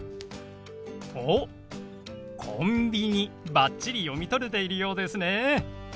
おっコンビニバッチリ読み取れているようですね。